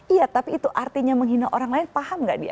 iya tapi itu artinya menghina orang lain paham gak dia